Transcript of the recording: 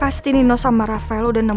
pasti nino sama rafael udah nemuin satpam